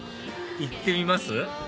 行ってみます？